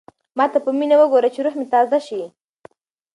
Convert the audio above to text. ما ته په مینه وګوره چې روح مې تازه شي.